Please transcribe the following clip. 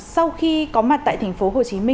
sau khi có mặt tại tp hcm